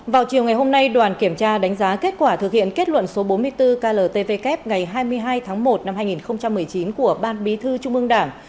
vào chiều ngày hôm nay đoàn kiểm tra đánh giá kết quả thực hiện kết luận số bốn mươi bốn kltvk ngày hai mươi hai tháng một năm hai nghìn một mươi chín của ban bí thư trung ương đảng